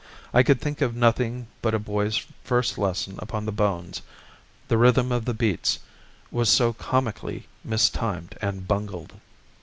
I could think of nothing but a boy's first lesson upon the bones, the rhythm of the beats was so comically mistimed and bungled.